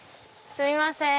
すみません。